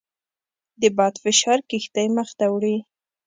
د باد فشار کښتۍ مخ ته وړي.